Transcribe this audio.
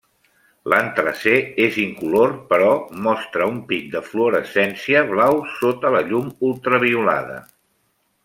L’antracè és incolor però mostra un pic de fluorescència blau sota la llum ultraviolada.